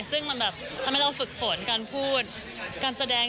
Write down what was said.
ซึ่งมันแบบทำให้เราฝึกฝนการพูดการแสดง